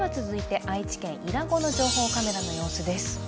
続いて、愛知県伊良湖の情報カメラの様子です。